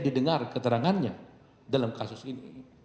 didengar keterangannya dalam kasus ini